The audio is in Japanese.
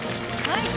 はい。